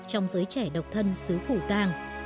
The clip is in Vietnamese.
trong giới trẻ độc thân xứ phủ tang